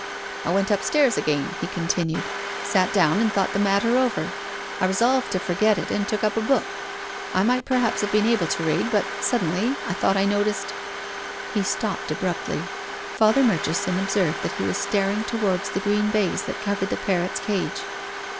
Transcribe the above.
" I went upstairs again," he continued, " sat down and thought the matter over. I resolved to forget it, and took up a book. I might per haps have been able to read, but suddenly I thought I noticed " He stopped abruptly. Father Murchison ob served that he was staring towards the green baize that covered the parrot's cage.